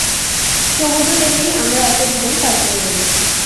সমুদ্র দেখেই আমরা একটা জীবন পার করে দেব।